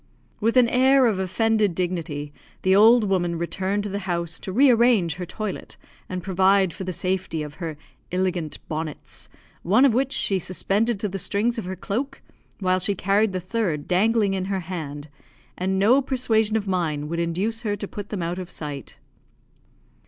With an air of offended dignity, the old woman returned to the house to re arrange her toilet, and provide for the safety of her "illigant bonnets," one of which she suspended to the strings of her cloak, while she carried the third dangling in her hand; and no persuasion of mine would induce her to put them out of sight.